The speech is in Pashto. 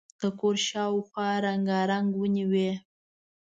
د کور شاوخوا رنګارنګ ونې وې.